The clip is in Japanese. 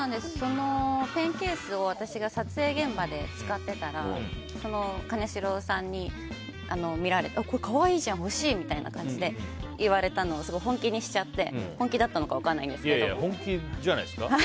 ペンケースを私が撮影現場で使ってたら金城さんに見られてこれ可愛いじゃん欲しいという感じで言われたのをすごい本気にしちゃって本気だったのか本気じゃないですか？